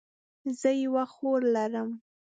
زه یوه خور لرم